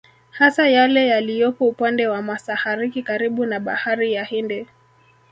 Hasa yale yaliyopo upande wa Masahariki karibu na bahari ya Hindi